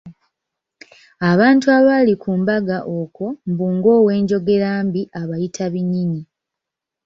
Abantu abaali ku mbaga okwo mbu ng'owenjogera mbi abayita binyinyi.